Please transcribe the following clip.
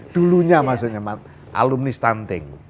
dulunya maksudnya alumni stunting